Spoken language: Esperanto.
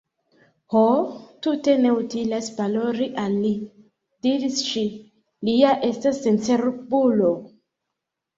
"Ho, tute ne utilas paroli al li," diris ŝi, "li ja estas sencerbulo."